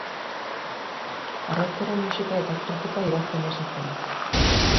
Harrezkero musika eta kritika idazten hasi zen.